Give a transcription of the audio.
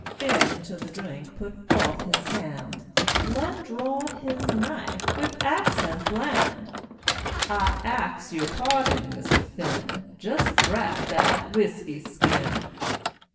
Phinn to the drink put forth his hand; Blood drawed his knife, with accent bland, "I ax yer parding, Mister Phinn Jest drap that whisky skin."